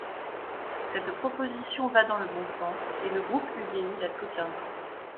Cette proposition va dans le bon sens et le groupe UDI la soutiendra.